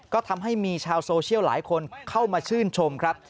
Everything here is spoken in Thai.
ก็ทำให้มีชาวโซเชียลหลายคนเข้ามาชื่นชมครับ